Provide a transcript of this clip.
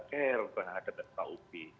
care terhadap fkub